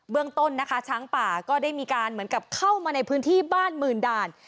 เรื่องต้นนะคะช้างป่าก็ได้มีการเหมือนกับเข้ามาในพื้นที่บ้านหมื่นด่าน